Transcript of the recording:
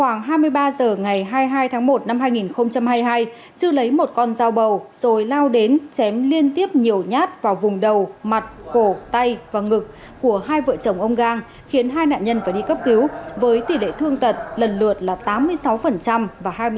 khoảng hai mươi ba h ngày hai mươi hai tháng một năm hai nghìn hai mươi hai chư lấy một con dao bầu rồi lao đến chém liên tiếp nhiều nhát vào vùng đầu mặt cổ tay và ngực của hai vợ chồng ông gang khiến hai nạn nhân phải đi cấp cứu với tỷ lệ thương tật lần lượt là tám mươi sáu và hai mươi bảy